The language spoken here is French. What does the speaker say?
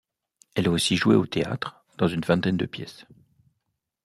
Elle a aussi joué au théâtre dans une vingtaine de pièces.